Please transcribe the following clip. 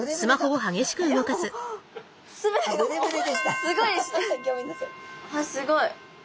わっすごい。